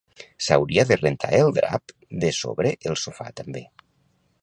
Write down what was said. S'hauria de rentar el drap de sobre el sofà també